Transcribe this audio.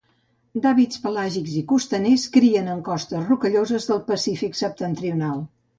D'hàbits pelàgics i costaners, crien en costes rocalloses del Pacífic Septentrional.